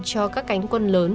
cho các cánh quân lớn